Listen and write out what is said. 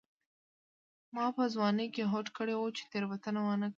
ما په ځوانۍ کې هوډ کړی و چې تېروتنه ونه کړم.